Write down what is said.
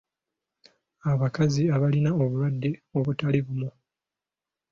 Abakazi abalina obulwadde obutali bumu.